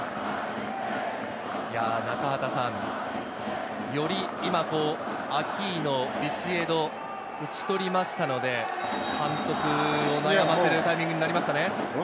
中畑さん、より今、アキーノ、ビシエドを打ち取りましたので、監督を悩ませるタイミングになりましたね。